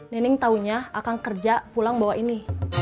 nining taunya akang kerja pulang bawah ini